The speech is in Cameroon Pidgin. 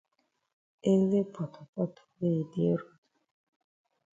Ele potopoto wey yi dey road.